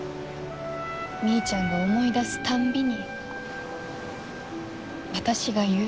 みーちゃんが思い出すたんびに私が言う。